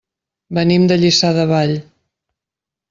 Venim de Lliçà de Vall.